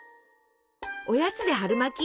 おやつで春巻き？